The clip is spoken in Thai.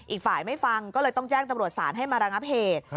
อีกฝ่ายไม่ฟังก็เลยต้องแจ้งตำรวจศาลให้มาระงับเหตุ